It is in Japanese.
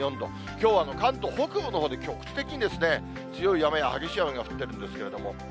きょう、関東北部のほうで局地的に強い雨や激しい雨が降ってるんですけれども。